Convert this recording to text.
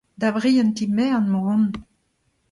Da brientiñ merenn emaon o vont.